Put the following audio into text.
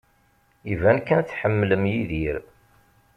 Iban kan tḥemmlem Yidir.